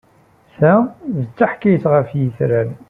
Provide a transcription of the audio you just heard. Ta d taḥkayt ɣef yitran.